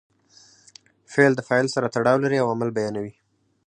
فعل د فاعل سره تړاو لري او عمل بیانوي.